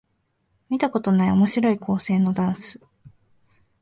見たことない面白い構成のダンス